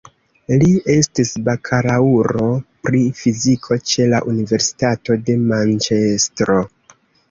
Li estis bakalaŭro pri fiziko ĉe la Universitato de Manĉestro.